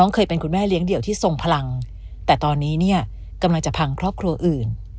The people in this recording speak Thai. เคยเป็นคุณแม่เลี้ยงเดี่ยวที่ทรงพลังแต่ตอนนี้เนี่ยกำลังจะพังครอบครัวอื่น